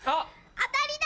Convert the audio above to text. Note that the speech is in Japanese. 当たりだ！